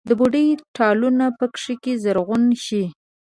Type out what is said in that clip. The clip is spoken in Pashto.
د بوډۍ ټالونه پکښې زرغونه شي